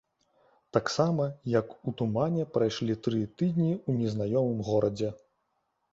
Таксама, як у тумане, прайшлі тры тыдні ў незнаёмым горадзе.